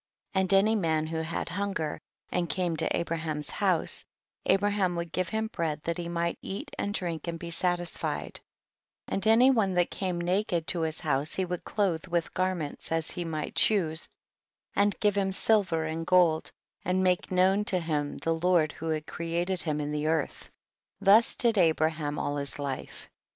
1.3. And any man who had hunger and came to Abraham's house, Abra ham would give him bread tiiat he might eat and drink and be satisfied, and any one that came naked to his house he would clothe with garments as he might choose, and give him silver and gold and make known to him the Lord who had created him in the earth ; this did Abraham all his life.